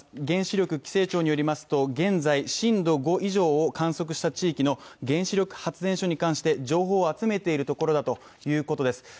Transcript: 原子力規制庁によりますと現在、震度５以上を観測した地域の原子力発電所に関して情報を集めているところだということです。